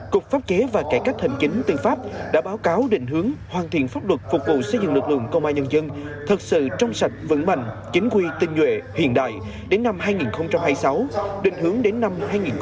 cục pháp chế và cải cách hành chính tư pháp đã báo cáo định hướng hoàn thiện pháp luật phục vụ xây dựng lực lượng công an nhân dân thật sự trong sạch vững mạnh chính quy tinh nhuệ hiện đại đến năm hai nghìn hai mươi sáu định hướng đến năm hai nghìn ba mươi